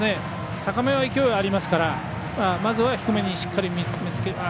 高めは勢いありますからまずは低めにしっかり。